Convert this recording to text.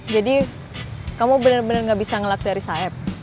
jadi kamu bener bener nggak bisa ngelak dari saep